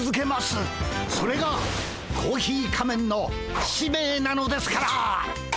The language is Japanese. それがコーヒー仮面の使命なのですから！